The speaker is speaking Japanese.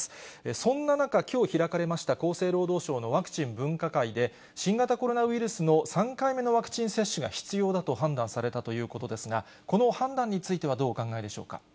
そんな中、きょう開かれました厚生労働省のワクチン分科会で、新型コロナウイルスの３回目のワクチン接種が必要だと判断されたということですが、この判断についてはどうお考えでしょうか。